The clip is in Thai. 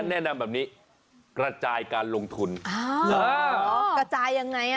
แนะนำแบบนี้กระจายการลงทุนกระจายยังไงอ่ะ